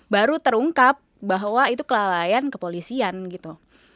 baru terungkap bahwa itu kelalaian kepolisian gitu